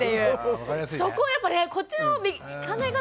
そこをやっぱねこっちの考え方